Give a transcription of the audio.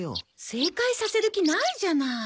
正解させる気ないじゃない。